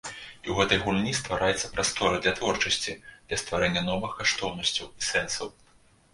І ў гэтай гульні ствараецца прастора для творчасці, для стварэння новых каштоўнасцяў і сэнсаў.